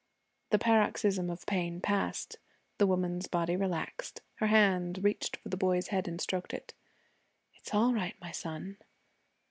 The paroxysm of pain passed; the woman's body relaxed, her hand reached for the boy's head and stroked it. 'It's all right, my son.'